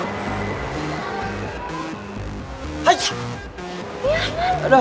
enggak makan dulu